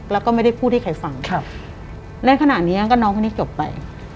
แล้วก็ไม่ได้พูดให้ใครฟังครับและขณะนี้ก็น้องคนนี้จบไป